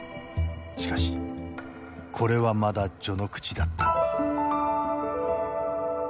しかしこれはまだ序の口だった。